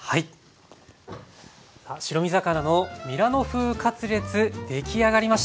さあ白身魚のミラノ風カツレツ出来上がりました。